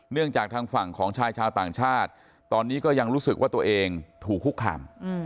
จากทางฝั่งของชายชาวต่างชาติตอนนี้ก็ยังรู้สึกว่าตัวเองถูกคุกคาม